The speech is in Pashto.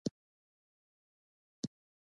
هغه چې په خاپوړو سو.